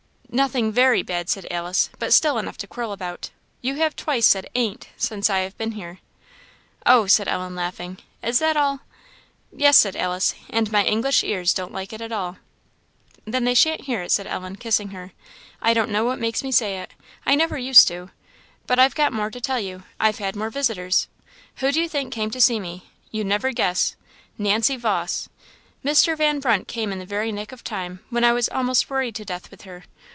"Nothing very bad," said Alice, "but still enough to quarrel about. You have twice said 'ain't ' since I have been here." "Oh," said Ellen, laughing, "is that all?" "Yes," said Alice, "and my English ears don't like it at all." "Then they shan't hear it," said Ellen, kissing her. "I don't know what makes me say it I never used to. But I've got more to tell you I've had more visitors. Who do you think came to see me? you'd never guess Nancy Vawse! Mr. Van Brunt came in the very nick of time, when I was almost worried to death with her.